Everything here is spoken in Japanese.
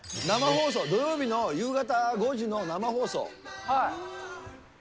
生放送、土曜日の夕方５時の生放送。